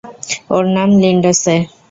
ওর নাম লিন্ডসে।